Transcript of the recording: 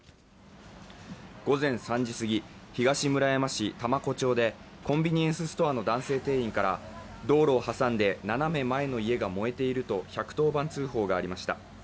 午前３時過ぎ、東村山市多摩湖町で、コンビニエンスストアの男性店員から道路を挟んで斜め前の家が燃えていると１１０番通報がありました。